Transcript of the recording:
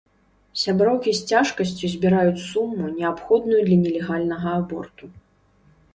Сяброўкі з цяжкасцю збіраюць суму, неабходную для нелегальнага аборту.